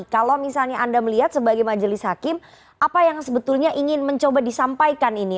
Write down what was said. kalau misalnya anda melihat sebagai majelis hakim apa yang sebetulnya ingin mencoba disampaikan ini